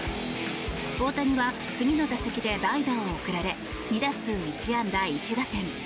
大谷は次の打席で代打を送られ２打数１安打１打点。